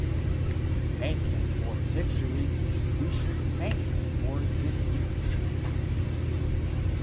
If we thank him for victory we should thank him for defeat.